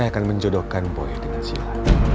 saya akan menjodohkan boy dengan sila